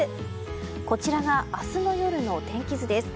こちらが、明日の夜の天気図です。